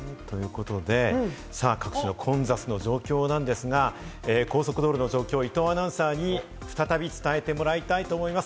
各地の混雑の状況なんですが、高速道路の状況を伊藤アナウンサーに再び伝えてもらいたいと思います。